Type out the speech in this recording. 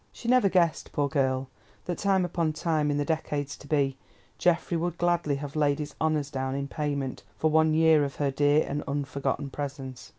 She never guessed, poor girl, that time upon time, in the decades to be, Geoffrey would gladly have laid his honours down in payment for one year of her dear and unforgotten presence.